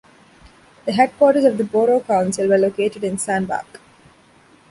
The headquarters of the borough council were located in Sandbach.